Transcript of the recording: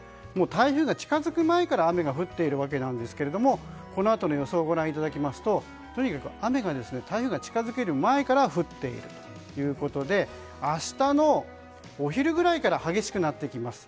台風が近づく前から雨が降っているわけなんですがこのあとの予想をご覧いただきますととにかく雨が台風が近づく前から降っているということで明日のお昼ぐらいから激しくなってきます。